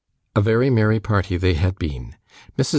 A very merry party they had been. Mrs.